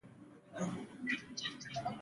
ایا ستاسو خپلواکي به وساتل شي؟